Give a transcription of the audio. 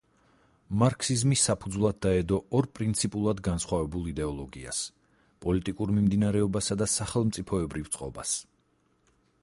მარქსიზმი საფუძვლად დაედო ორ პრინციპულად განსხვავებულ იდეოლოგიას, პოლიტიკურ მიმდინარეობასა და სახელმწიფოებრივ წყობას.